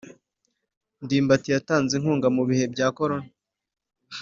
Ndimbati yatanze inkunga mubihe bya korona